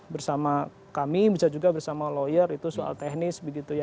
bersama kami bisa juga bersama lawyer itu soal teknis